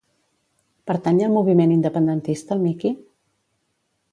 Pertany al moviment independentista el Miki?